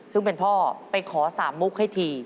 ซึ่งเป็นพ่อไปขอสามมุกให้ที